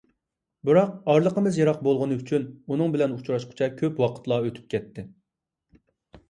بىراق ئارىلىقىمىز يىراق بولغىنى ئۈچۈن ئۇنىڭ بىلەن ئۇچراشقۇچە كۆپ ۋاقىتلار ئۆتۈپ كەتتى.